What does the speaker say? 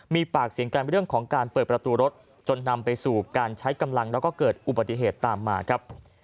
มีปากเสียงกันเรื่องของการเปิดประตูรถจนนำไปสู่การใช้กำลังแล้วก็เกิดอุบัติเหตุตามมาครับ